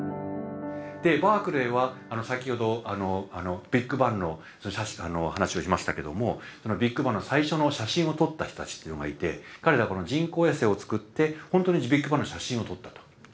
バークレーは先ほどビッグバンの話をしましたけどもそのビッグバンの最初の写真を撮った人たちっていうのがいて彼らこの人工衛星をつくって本当にビッグバンの写真を撮ったと。